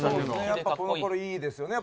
やっぱこの頃いいですよね。